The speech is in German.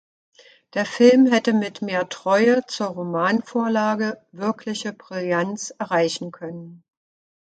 Der Film hätte mit mehr Treue zur Romanvorlage "„wirkliche Brillanz“" erreichen können.